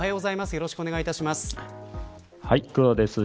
よろしくお願いします。